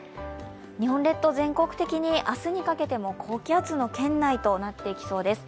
日本列島、全国的に明日にかけても高気圧の圏内となっていきそうです。